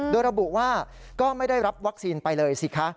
โดยระบุว่าก็ไม่ได้รับวัคซีนไปเลยสิคะ